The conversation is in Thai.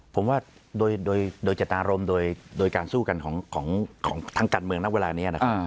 ผมว่าโดยเจตนารมณ์โดยการสู้กันของทางการเมืองณเวลานี้นะครับ